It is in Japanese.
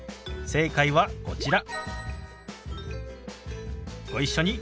正解はこちら。